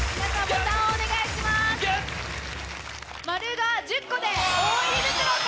「○」が１０個で。